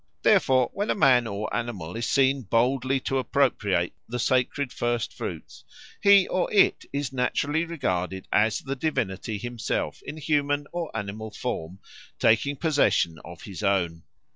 Therefore when a man or animal is seen boldly to appropriate the sacred first fruits, he or it is naturally regarded as the divinity himself in human or animal form taking possession of his own.